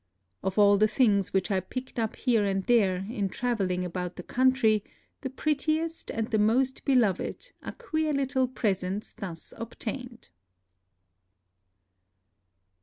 Of all the things which I picked up here and there, in traveling about the country, the prettiest and the most be loved are queer little presents thus obtained.